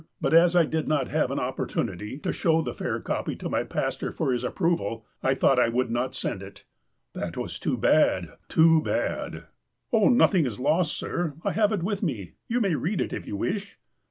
But as I did not have an opportunity to show the fair copy to my pastor for his approval I thought I would not send it." "That was too bad — too bad." "Oh, nothing is lost, sir. I have it with me. You may read it if you wish."